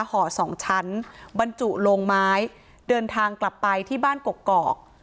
ห่อสองชั้นบรรจุลงไม้เดินทางกลับไปที่บ้านกกอก